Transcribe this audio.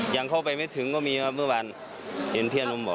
ยังเข้าไปไม่ถึงก็มีครับเมื่อวานเห็นพี่อนุ่มบอก